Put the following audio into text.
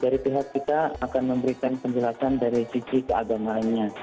dari pihak kita akan memberikan penjelasan dari cici keagamanya